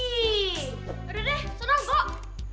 yaudah deh serang gue